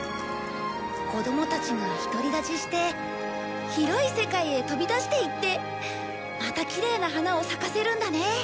子供たちが独り立ちして広い世界へ飛び出していってまたきれいな花を咲かせるんだね。